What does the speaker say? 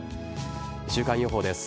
週間予報です。